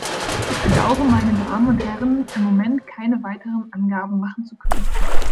Ich bedauere, meine Damen und Herren, im Moment keine weiteren Angaben machen zu können.